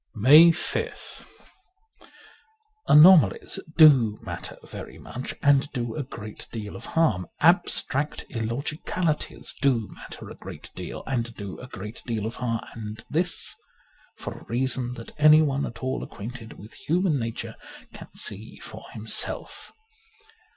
136 MAY 5th ANOMALIES do matter very much, and do a great deal of harm ; abstract illogicalities do matter a great deal, and do a great deal of harm : and this for a reason that anyone at all acquainted with human nature can see for himself.